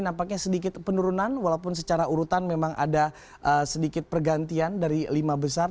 nampaknya sedikit penurunan walaupun secara urutan memang ada sedikit pergantian dari lima besar